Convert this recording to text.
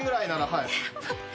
はい。